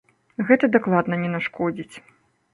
Гэта дакладна не нашкодзіць.